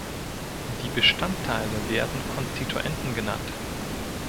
Die Bestandteile werden Konstituenten genannt.